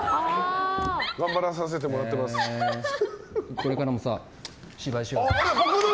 これからもさ、芝居しよ。